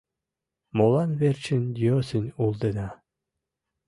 Молан верчын йӧсын улдена?